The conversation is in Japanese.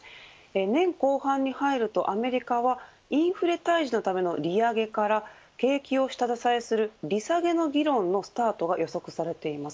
年後半に入るとアメリカはインフレ退治のための利上げから景気を下支えする利下げの議論のスタートが予測されています。